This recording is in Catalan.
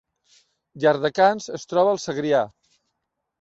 Llardecans es troba al Segrià